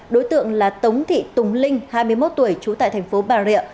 đối tượng là tống thị tùng linh hai mươi một tuổi trú tại thành phố bà rịa